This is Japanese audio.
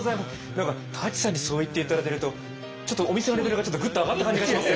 何か舘さんにそう言って頂けるとちょっとお店のレベルがちょっとグッと上がった感じがします。